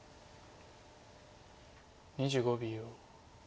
２５秒。